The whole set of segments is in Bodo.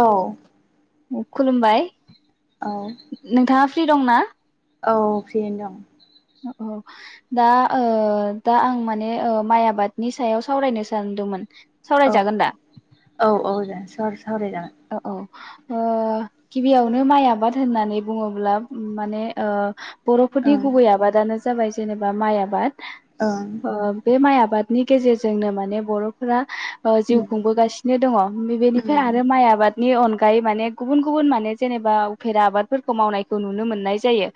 औ । खुलुमबाय । औ । फ्रि दंना? औ फ्रियैनो दं । औ दा ओ दा आं माने माइ आबादनि सायाव सावरायनो सानदोंमोन । औ औ औ दे । [unintelligible] औ औ । ओ गिबियावनो माइ आबाद होननानै बुङोब्ला माने‌ ओ बर'फोरनि गुबै आबादानो जाबाय जेनेबा माइ आबाद । ओ बे माइ आ आबादनि गेजेरजोंनो माने बर'फोरा ओ जिउ खुंबोगासिनो दङ बि-बिनिफ्राय आरो माइ आ नि अनगायै माने गुबुन गुबुन माने जेनेबा उफेरा आबादफोरखौ मावनायखौ नुनो मोननाय जायो ।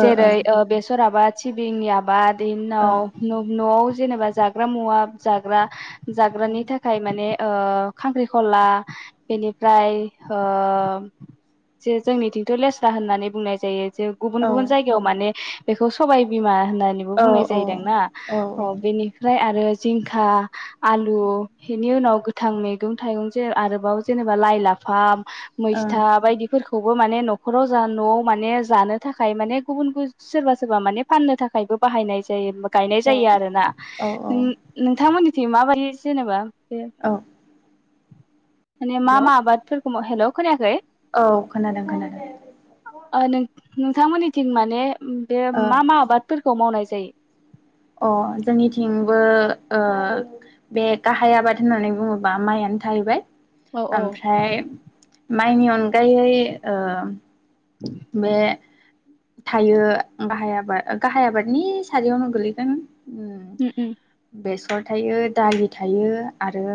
ओं जेरै बेसर ओ आबाद सिबिंनि आबाद बिनि ओं उनाव न'ब न'आव जेनेबा जाग्रा मुवा जाग्रा ओम जाग्रानि थाखाय माने ओ खांख्रिखला बेनिफ्राय ओ जे जोंनिथिंथ' लेस्रा होननानै बुंनाय जायो। जे गुबुन ओ गुबुन जायगायाव माने बेखौ सबबाय बिमा होन होननानै ओ बुंनाय ओं जायोदांना ओं औ बेनिफ्राय आरो जिंखा आलु बेनि उनाव गोथां मैगं थाइगं जे आरोबाव जेनेबा लाइ लाफा मैस्था बायदिफोरखौ खौबो माने न'खराव जा न'आव माने जानो थाखाय माने गुबुन सोरबा सोरबा माने फाननो थाखायबो बाहायनाय जायो। गायनाय जायो आरोना औ ओं औ औ नोंथांमोननि दिं मााबायदि जेनेबा। बे औ। माने मा हेलौ मा [unintelligible] हेल' खोनाआखै? औ खोनादों खोनादों। ओ नों नोंथांमोननिथिं माने बे मा मा आबादफोरखौ मावनाय [unintelligible] [unintelligible] अ जोंनिथिंबो ओ बे गाहाय आबाद होननानै बुङोबा माइआनो थाहैबाय। औ औ ओमफ्राय माइनि अनगायै ओ बे। थायो गाहाय आबाद गाहाय आबादनि सारियावनो गोलैगोन। औ ओम [unintelligible] [unintelligible] थायो दालि थायो। आरो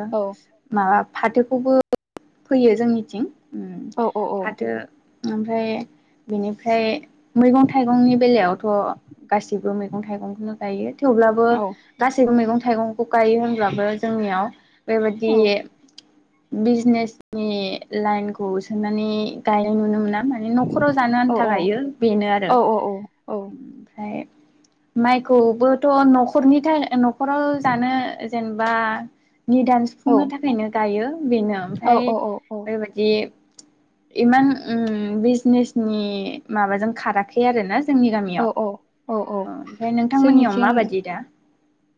माबा फाथोखौबो। फैयो जोंनिथिं ओम औ फाथो ओमफ्राय बेनिफ्राय मैगं थाइगंनि बेलायावथ'। गासिसिबो मैगं थाइगंखौनो। जायो। थेवब्लाबो औ गासैबो मैगं थाइगं गायो होनब्लाबो जोंनियाव बेबायदि औ बिजिनेस नि लाइनखौ सोंनानै गायनाय नुनो मोना । माने न'खराव जानो औ आन्था गायो बेनो आरो औ ओमफ्राय माइखौबोथ' न'खरनि था ओ न'खर न'खराव जानो जेन बा निदान सुफुंनो थाखायनो गायो बेनो ओमफ्राय बे बादि इमान ओम बिजिनेसनि माबाजों खाराखै आरोना जोंनि औ गामियाव औ औ औ ओमफ्राय नोंथांमोननियाव जोंनिथिं माबायदि दा?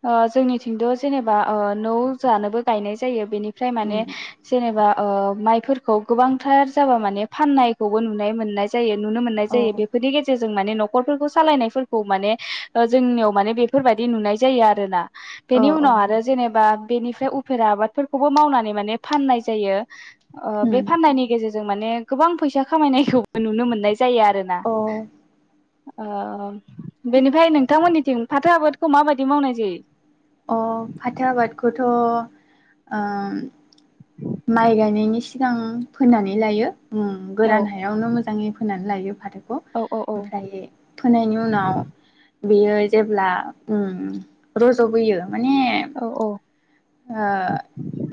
ओ जोंनिथिंथ' जेनेबा ओ न' जोंहानोबो गायनाय जायो बेनि फ्राय माने उम जेनेबा ओ माइफोरखौ गोबांथार जाबा माने फाननायखौबो नुनाय मोननाय जायो । नुनो मोननाय अ जायो औ बेफोरनि गेजेरजों माने न'खरफोरखौ सालायनायफोरखौ माने ओ जोंनियाव माने बेफोरदि नुनाय जायो आरोना । बेनि औ उनाव आरो जेनेबा बेनिफ्राय उफेरा आबादफोरखौबो मावनानै माने फाननाय जायो ओ बे उम फाननायनि गेजेरजों माने गोबां फैसा खामायनायखौबो नुनो मोननाय जायो आरो ना । अ ओं बेनिफ्राय नोंथांमोननि निथिं फाथो आबादखौ माबायदि मावनाय जायो? अ फाथो आबादखौथ' ओम माइ गायनायनि सिगां फोननानै लायो । गोरान हायावनो मोजाङै फोनानै लायो । औ औ औ फादोब ओमफ्राय फोनायनि उनाव बेयो जेब्ला ओम र जबोयो माने औ औ ओ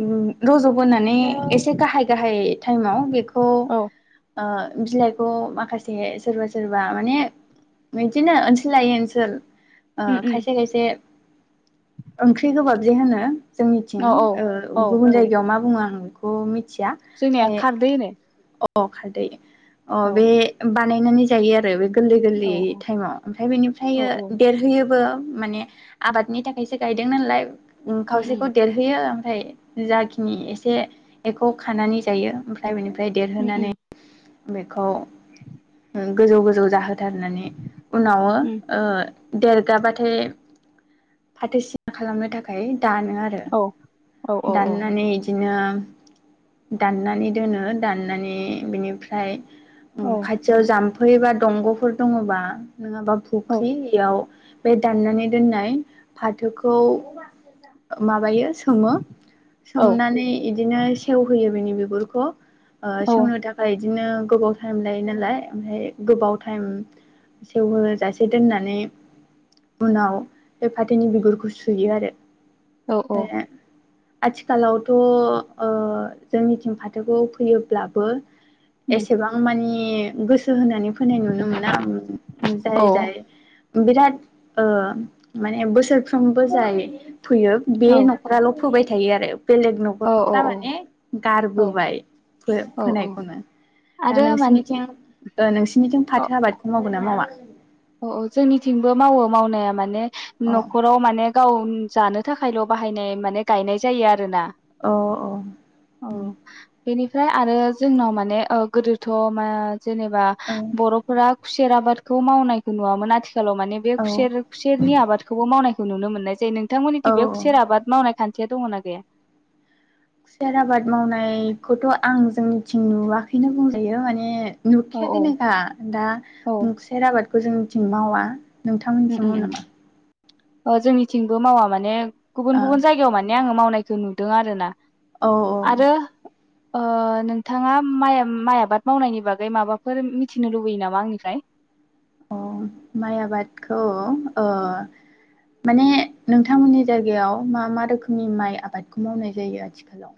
ओम रज'बोनानै एसे गाहाय गाहाय टाइमाव बेखौ औ बिलाइखौ माखासे सोरबा सोरबा माने बिदिनो ओनसोल लायै ओनसोल ओ उम उम खायसे खायसे ओंख्रि गोबाब जे होनो। जोंनिथिं औ औ ओ औ गुबुन जायगायाव मा बुङो आ आं बेखौ मिथ जोंनिया खारदै होनो। अ खारदै। अ बेे बाथ बानायनानै जायो आरो बे गोरलै औ गोरलैयै टाइमाव ओमफ्राय बेनिफ्राय औ औ देरहोयोबो। माने आबादनि थाखायसो गायदों नालाय ओम उम खावसे उम जाखिनि एसे खानानै जायो ओमफ्राय बेनि फ्राय उम देरहोनानै उम बेखौ गोजौ गोजौ जाहो होथारनानै उनाव उम ओ देरगाबाथाय फाथोसिना खालामनो थाखाय दानो आरो औ औ औ औ दाननानै बिदिनो दाननानै दोनो दाननानै बिनिफ्राय ओ औ खाथियाव जाम जामफै बा दंग'फोर दङबा नंङाबा फुख्रियाव बे दाननानै दोननाय फाथोखौ माबा बायो जायो सोमो औ सोमनानै इदिनो सेवहोयो बिनि बिफ बिगुरखौ। ओ सोंनो थाखाय बिदिनो गोबाव टाइम लायो नालाय ओमफ्राय गोबाव टाइम सेवहोजासे दोननानै उनाव फाथोनि बिगुरखौ सुयो आरो। औ औ। आथिखालावथ' ओ जोंनिथिं फाथोखौ फैयोब्लाबो उम एसेबां मानि नि गोस गोसो होनानै फोननाय नुनो मोना औ जाय जाय बिराद ओ माने बोसोरफ्रोमबो जायो फोयो औ बे न'खराल' फोबाय था थायो आरो बेलेग औ न'खरफ्रा माने औ गारबोबाय फो औ औ फोनायखौनो दा आरो माने नोंसोरनिथिं नोंसोरनिथिं फाथो आबादखौ मावगोना मावा अ औ जोंनिथिंबो मावो मावनाया माने अ न'खराव माने गावनि जानो थाखायल' बाहायनाय माने गायनाय जायो आरोना औ औ उम ओमफ्राय आरो जोंनाव माने ओ गोदोथ' मा जेनेबा औ बर'फोरा खुसेर आबादखौ मावनाय खौ नुवामोन आथि आथिखालाव माने बे खुसेर खुसेरनि आबादखौबो मावनाय नुनो मोननाय जायो नोंथांमोननि औ थिं बे खुसेर आबाद मावनाय खान्थि बे दङ'ना गैया खुसियार आबाद मावनायखौथ' आं जोंनिथिं नुवाखैनो बुंजायो। माने औ औ नुखायाखैनो दा दा औ मुखसेर आबाद बे खौ जोंनिथिं मावा नोंथांमोननिथिं मावो नामा अ जोंनिथिंबो मावा माने गुबुन गुबुन जायगायाव माने आङो माव नायखौ नुदों आरो ना ओ औ आरो ओ नोंथाङा माइ माइ आबाद मावनायनि बागै माबाफोर मिथिनो लुबैयो नामा आंनिफ्राय अ माइ आबादखौ ओ माने नोंथांमोनि जायगायाव मा मा रोखोमनि माइ आबादखौ मावनाय जायो आथिखालाव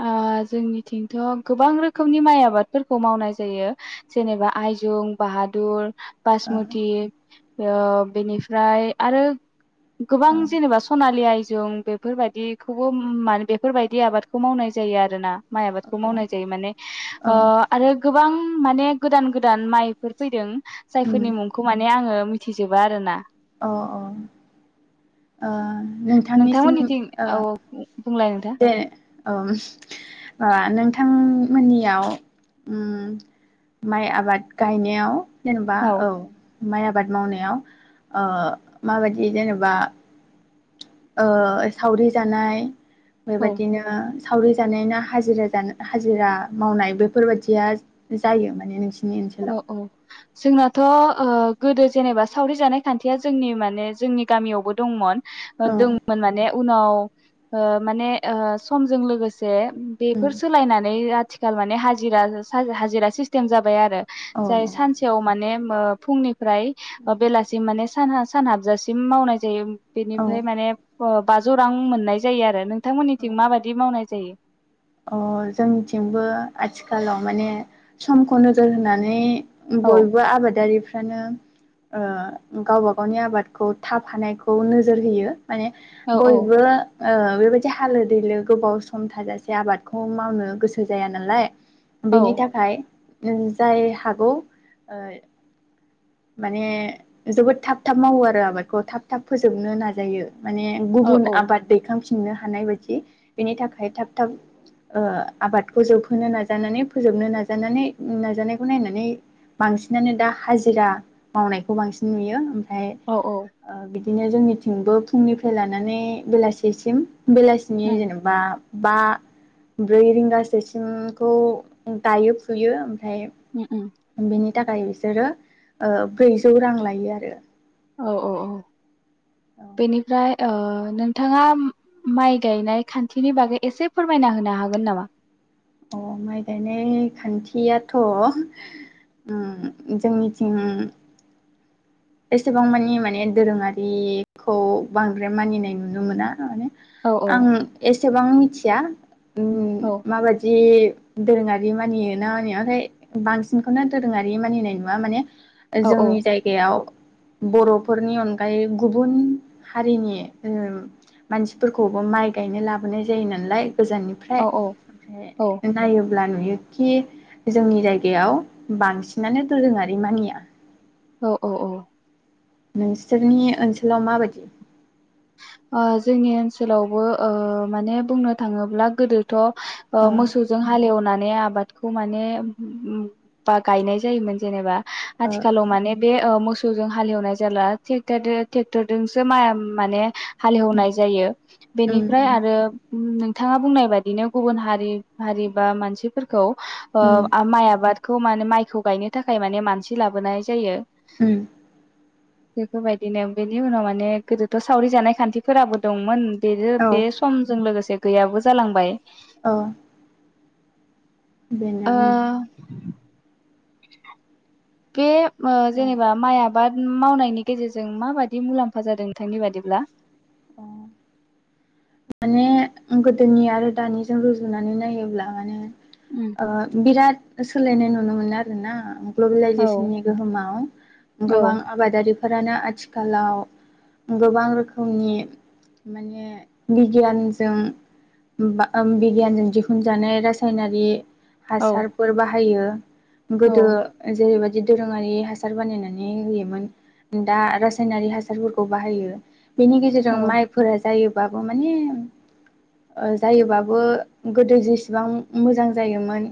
ओ जोंनिथिंथ' गोबां रोखोमनि माइ आबादफोरखौ मावनाय जायो जेनेबा आयजुं बाहादुर बासमथि ओ बेनिफ्राय आरो गोबां औ जेनेबा सनालि आइ जों बेफोरबायदिखौबो मान बेफोरबायदि आबाद बे खौ मावनाय जायो आरोना माइ आबादखौ औ मावनाय जायो माने ओ औ आरो गोबां माने गोदान गोदान माइफोर फैदों। उम जायफोरनि मुंखौ माने आङो। मिथिजोबा आरो ना औ औ ओ नोंथां नोंथांनिसिम मोनिथिं ओ औ बुंलाय नोंथां। ओ ओ नोंथांमोननियाव ओ माइ आबाद गायनायाव। जेनेबा औ माइ आबाद मावनायाव ओ माबायदि जेनेबा। ओ सावरि जानाय बे औ बायदिनो। सावरि जानाय ना हाजिरा हाजिरा मावनाय बेफोर बायदिया। अ औ जोंनाथ' गोदो जेनेबा सावरि जानाय खान्थिया जोंनि माने जोंनि गामियावबो दंमोन। ओ औ दंमोन माने उनाव ओ माने ओ समजों लोगोसे जे उम बेफोर सोलायनानै आथि आथिखाल माने हाजिरा हाजिरा सिस्टेम जाबाय आरो। औ औ जाय सानसेयाव माने ओ फुंनि प्राय ओ उम बेलासि माने साना सान हाबजासिम मावनाय जायो। औ बेनिफ्राय औ माने ओ बाजौ रां मोननाय जायो आरो नों नोंथांमोननिथिं औ माबायदि मावनाय जायो अ जोंथिंबो आथिखालाव माने समखौ नोजोर होनानै औ बयबो आबादारिफोर फ्रानो ओ गावबा गावनि आबादखौ थाब हानायखौ नोजोर होयो माने औ औ बयबो ओ बेबायदि हालो दैलो गोबाव सम थाजास से आबादखौ मावनो गोसो जाया नालाय औ बेनि थाखाय नों जाय हागौ ओ माने जोबोद थाब थाब मावो आरो आबादखौ थाब थाब फोजोबनो नाजायो। माने औ गुबुन आबाद दैखां फिननो हानाय बायदि बेनि थाखाय थाब थाब ओ आबादखौ जोबहोनो नाजानानै फोजोबनो नाजानानै नाजानायखौ नायनानै बांसिनानो दा हाजिरा मावनायखौ बांसिन नुयो ओम फ्राय औ औ ओ बिद बिदिनो जोंनिथिंबो फुंनिफ्राय लानानै बेलासिसिम बेलासिनि उम जेनेबा बा ब्रै रिंगासोसिमखौ दायो फुयो ओमफ्राय उम उम बेनि थाखाय बिसोरो ओ ब्रैजौ रां लायो आरो औ औ औ औ बेनिफ्राय ओ नोंथाङा माइ गायनाय खान्थिनि बागै एसे फोरमायना होनो हागोन नामा अ माइ गायनाय खान्थियाथ उम जोंनिथिं एसेबां मानि माने दोरोंङारिखौ बांद्राय मानिनाय नुनो मोना माने औ औ आं एसेबां मिथि या ओ औ माबायदि दोरोंङारि मानियोना मानि ओमफ्राय बांसिनखौनो दोरोंङारि मानिनाय नुवा माने औ जोंनि जायगायाव बर'फोरनि अनगायै गुबुन हारिनि मानसिफोरखौबो माइ गायनो लाबोनाय जायो नालाय औ गोजाननिफ्राय ओमफ्राय औ नायो अब्ला नुयोखि जोंनि जायगायाव बांसिनानो दोरोंङारि मानिया औ औ औ नोंसोरनि ओनसोलाव माबायदि जोंनि ओनसोलावबो माने बुंनो थांङोब्ला गोदो ओ मोसौजों हालेवनानै माने आबादखौ माने बा गायनाय जायोमोन जेनेबा ओ आथिखालाव माने बे मोसौ [unintelligible] हालेवनाय जालाेट ट्रेक्टरजोंसो माइ माने हालेवनाय जायो उम बेनिफ्राय आरो नोंथांङा बुंनाय बादिनो गुबुन हारि हारि बा मानसिफोरखौ आ उम आमा आबाद खौ माने माइखौ गायनो थाखाय माने मानसि लाबोनाय जायो उम बेफोरबायदिनो बेनि उनाव माने गोदोथ सावरि जानायाय खान्थिफोराबो दंमोन बे औ बे समजों लोगोसे गैयाबो जालांबाय औ बेनो ओ उम गे ओ औ जेनेबा माइ आबाद मावनायनि गेजेरजों माबायदि मुलाम्फा जादों नोंथांनि बादिब्ला? अ माने गोदोनि आरो दानिजों रुजुनानै नायोब्ला माने उम ओ बिराद सोलायनाय नुनो मोनो आरो ना औ ग्लबेलाइजेसननि गोहोमाव औ गोबां आबादारि फोरानो आथिखालाव गोबां रोखोमनि माने बिगियानजों बा ओम बिगियानजों दिहुनजानाय रासायनारि औ हासारफोर बाहायो [inaudible] औ गोदो जेरैबाय दि दोरोङारि हासार बानायनानै होयोमोन दा रासायनारि हासारफोरखौ बाहायो। बेनि गेजेरजों औ माइफोरा जायोबा माने ओ जायोबाबो गोदो जेसेबां मोजां जायोमोन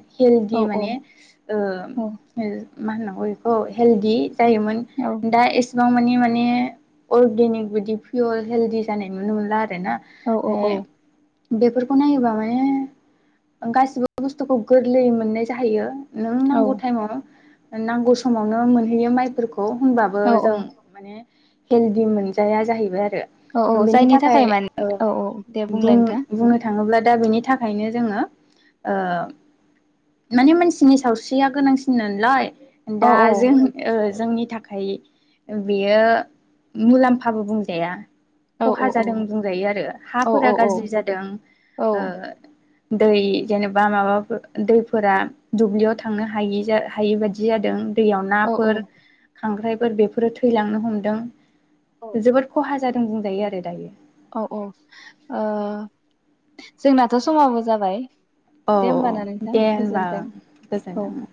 औ हेलदि माने ओ औ ओ मा होननांगौ इखौ हेलदि जायोमोन दा ए सिबां मानि माने अर्गेनिक बायदि पियर हेलदि जानाय नुनो मोनला आरो ना औ ओ बेफोरखौ नायोबा माने गासिबो बुस्थुखौ गोरलैयै मोननाय जाहैयो। नों नांगौ थाइमाव नांगौ समावनो मोनहैयो माइफोर खौ होनबाबो औ जों औ माने हेलदि मोनजाया जाहैबाय आ औ औ जायनि थाखाय माने ओ औ औ दे बुंलाय बुं नोंथां बुंनो था ङोब्ला दा बेनि थाखायनो जोङो ओ माने मानसिनि सावस्रिया गोनांसिन नालाय औ दा जों ओ जोंनि थाखाय बेयो मुलाम्फाबो बुंजाया। औ खहा औ जादों। बुंजायो आरो औ हाफोरा औ गाज्रि जादों, औ ओ दै जेनेबा माबाफोर दैफोरा दुब्लियाव थांनो हायि जा हायि बायदि जादों। दैयाव औ नाफोर औ खांख्रायफोर बेफोरो थैलांनो हमदों। जोबोद खहा जा दों बुंजायो आरो दायो। औ औ ओ। जोंनाथ' समाबो जाबाय। औ दे औ होमबाना नोंथां दे होनबा गोजोन्थों औ गोजोनथों ओं।